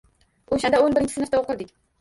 O`shanda o`n birinchi sinfda o`qirdik